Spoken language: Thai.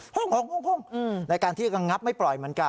พุ่งในการที่กระงับไม่ปล่อยเหมือนกัน